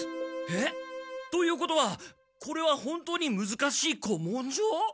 えっ？ということはこれは本当にむずかしい古文書！？